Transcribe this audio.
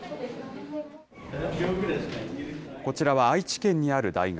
こちらは愛知県にある大学。